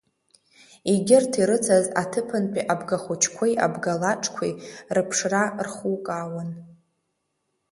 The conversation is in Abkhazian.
Егьырҭ ирыцыз аҭыԥантәи абгахәыҷқәеи абгалаџқәеи рыԥшра рхукаауан.